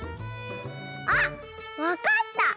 あっわかった！